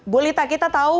bu lita kita tahu